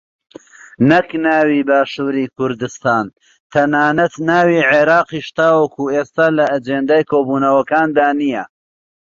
نەک ناوی باشووری کوردستان تەنانەت ناوی عێراقیش تاوەکو ئێستا لە ئەجێندای کۆبوونەوەکاندا نییە